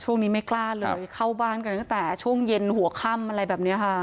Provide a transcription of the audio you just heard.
ไม่กล้าเลยเข้าบ้านกันตั้งแต่ช่วงเย็นหัวค่ำอะไรแบบนี้ค่ะ